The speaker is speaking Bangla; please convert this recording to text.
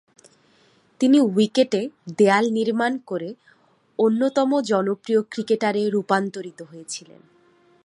তিনি উইকেটে দেয়াল নির্মাণ করে অন্যতম জনপ্রিয় ক্রিকেটারে রূপান্তরিত হয়েছিলেন।